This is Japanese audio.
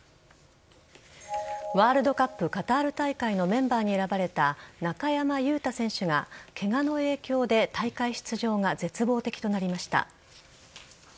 ワールドカップカタール大会のメンバーに選ばれた中山雄太選手がケガの影響で大会出場が絶望的となりました。